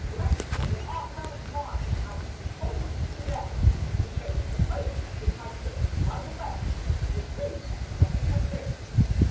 Let we ourselves mine out some coal lumps to day To show to the folks,—which I think, by the way, Would be a poetical thing."